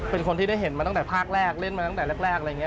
เป็นคนที่ได้เห็นมาตั้งแต่ภาคแรกเล่นมาตั้งแต่แรกอะไรอย่างนี้